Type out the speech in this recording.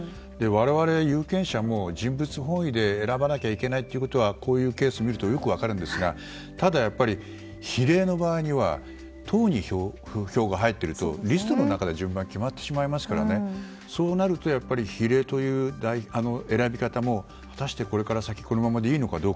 我々、有権者も人物本位で選ばなきゃいけないということはこういうケースを見るとよく分かるんですがただやっぱり比例の場合には党に票が入っているとリストの中で順番が決まってしまいますからそうなると比例という選び方も果たしてこれから先このままでいいのか。